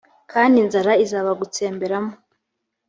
kandi inzara izabagutsemberamo